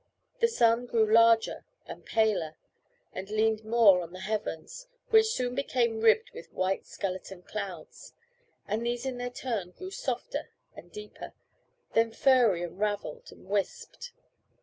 The sun grew larger and paler, and leaned more on the heavens, which soon became ribbed with white skeleton clouds; and these in their turn grew softer and deeper, then furry and ravelled and wisped.